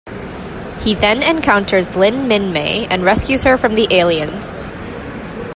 He then encounters Lynn Minmay and rescues her from the aliens.